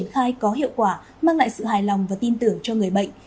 khai có hiệu quả mang lại sự hài lòng và tin tưởng cho người bệnh